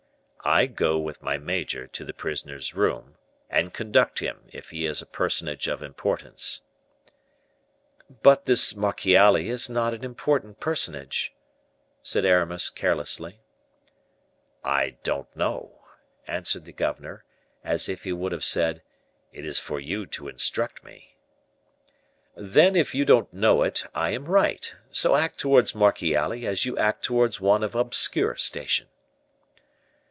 "I go with my major to the prisoner's room, and conduct him, if he is a personage of importance." "But this Marchiali is not an important personage," said Aramis carelessly. "I don't know," answered the governor, as if he would have said, "It is for you to instruct me." "Then if you don't know it, I am right; so act towards Marchiali as you act towards one of obscure station."